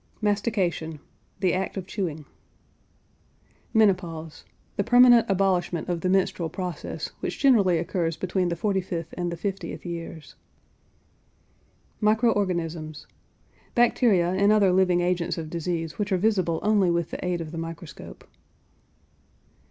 MASTICATION. The act of chewing. MENOPAUSE. The permanent abolishment of the menstrual process, which generally occurs between the 45th and the 50th years. MICRO ORGANISMS. Bacteria and other living agents of disease which are visible only with the aid of the microscope.